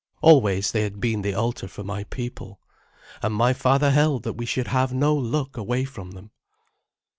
Always they had been the altar for my people, and my father held that we should have no luck away from them.